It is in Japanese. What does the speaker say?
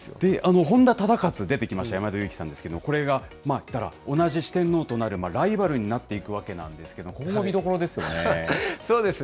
本多忠勝、出てきました、山田裕貴さんですけど、これが、同じ四天王となるライバルになっていくわけですけれども、ここ、見どころですよね。